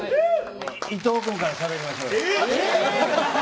伊藤君からしゃべりましょう。